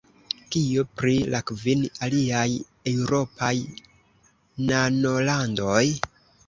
Kio pri la kvin aliaj eŭropaj nanolandoj?